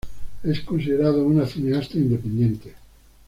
Es considerado un cineasta independiente.